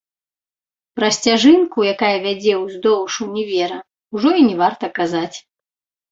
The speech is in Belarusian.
Пра сцяжынку, якая вядзе ўздоўж універа, ужо і не варта казаць.